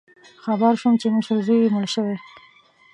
خبر شوم چې مشر زوی یې مړ شوی